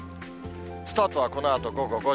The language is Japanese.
スタートはこのあと午後５時。